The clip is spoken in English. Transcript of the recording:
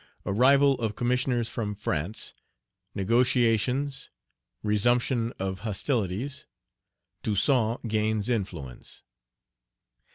Arrival of Commissioners from France Negotiations Resumption of hostilities Toussaint gains influence.